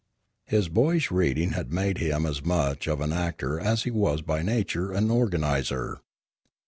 His boyish reading had made him as much of an actor as he was by nature an organiser.